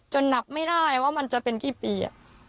หนักไม่ได้ว่ามันจะเป็นกี่ปี